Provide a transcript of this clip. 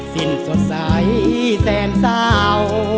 สิ้นสดใสแสนเศร้า